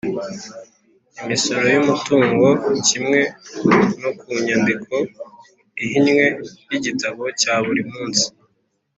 imisoro y'umutungo kimwe no ku nyandiko ihinnye y'igitabo cya buri munsi